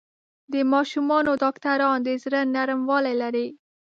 د ماشومانو ډاکټران د زړۀ نرموالی لري.